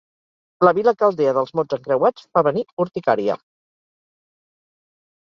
La vila caldea dels mots encreuats fa venir urticària.